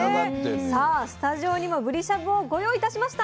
さあスタジオにもぶりしゃぶをご用意いたしました。